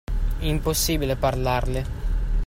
Impossibile parlarle.